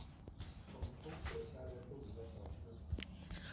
腾冲有下列著名的小吃。